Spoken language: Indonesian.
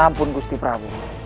ya ampun kusti pragu